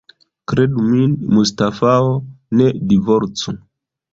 Kredu min, Mustafao, ne divorcu.